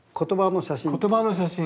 言葉の写真。